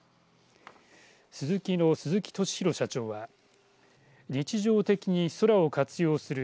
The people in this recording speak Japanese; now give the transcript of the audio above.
スズキの鈴木俊宏社長は日常的に空を活用する